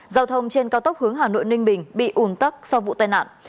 giao thông trên cao tốc hướng hà nội ninh bình bị ủn tắc sau vụ tai nạn